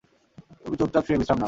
তুমি চুপচাপ শুয়ে বিশ্রাম নাও।